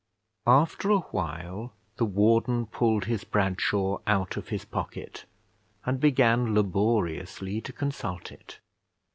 After a while the warden pulled his Bradshaw out of his pocket, and began laboriously to consult it.